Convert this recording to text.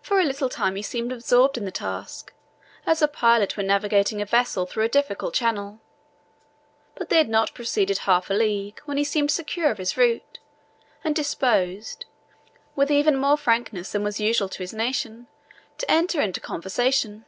For a little time he seemed absorbed in the task, as a pilot when navigating a vessel through a difficult channel; but they had not proceeded half a league when he seemed secure of his route, and disposed, with more frankness than was usual to his nation, to enter into conversation.